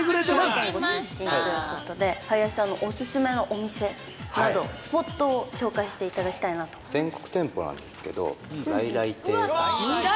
滋賀県出身ということで、林さんのお勧めのお店など、スポットを紹介していただきたい全国店舗なんですけど、来来亭。